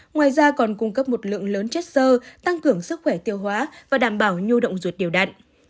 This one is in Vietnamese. ngoài ra còn cung cấp một lượng lớn chất sơ tăng cường sức khỏe tiêu hóa và đảm bảo nhu động ruột điều đạn